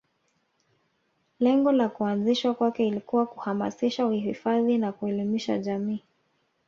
Lengo la kuanzishwa kwake ilikuwa kuhamasisha uhifadhi na kuelimisha jamii